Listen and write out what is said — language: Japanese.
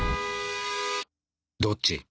どっち？